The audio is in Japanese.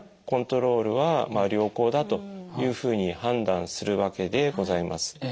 コントロールは良好だというふうに判断するわけでございます。